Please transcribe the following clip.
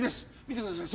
見てください